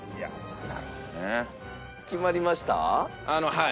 はい。